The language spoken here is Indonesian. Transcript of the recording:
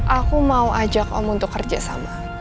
aku mau ajak om untuk kerjasama